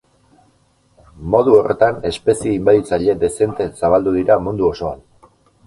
Modu horretan espezie inbaditzaile dezente zabaldu dira mundu osoan.